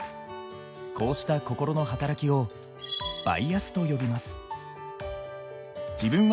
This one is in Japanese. こうした心の働きをバイアスと呼びます。